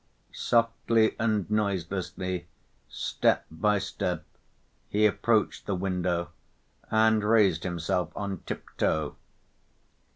Softly and noiselessly, step by step, he approached the window, and raised himself on tiptoe.